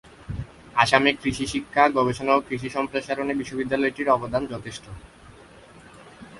আসামে কৃষি শিক্ষা, গবেষণা ও কৃষি সম্প্রসারণে বিশ্ববিদ্যালয়টির অবদান যথেষ্ট।